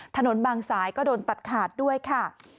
ถนนบางสายก็โดนตัดขาดด้วยค่ะ